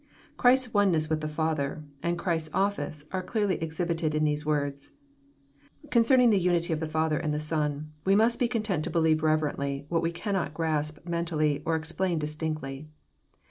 Christ's oneness with the Father, and Christ's office, are clearly exhibited in these words. Concerning the unity of the Father and the Son, we must be content to believe reverently what we cannot grasp mentally or explain distinctly.